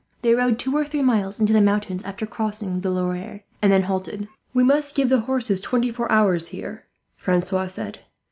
They rode two or three miles into the mountains after crossing the Loire, and then halted. "We must give the horses twenty four hours here," Francois said.